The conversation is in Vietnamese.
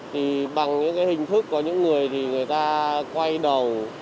thì bằng những cái hình thức có những người thì người ta quay đầu